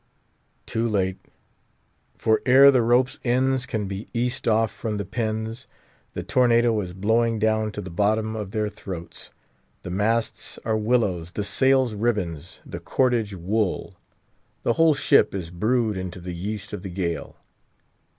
Too late. For ere the ropes' ends can be the east off from the pins, the tornado is blowing down to the bottom of their throats. The masts are willows, the sails ribbons, the cordage wool; the whole ship is brewed into the yeast of the gale.